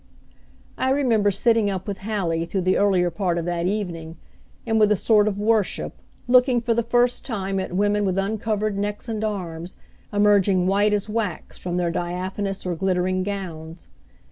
I remember sitting up with Hallie through the earlier part of that evening, and with a sort of worship, looking for the first time at women with uncovered necks and arms emerging white as wax from their diaphanous or glittering gowns.